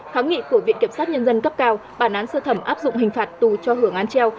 kháng nghị của viện kiểm sát nhân dân cấp cao bản án sơ thẩm áp dụng hình phạt tù cho hưởng án treo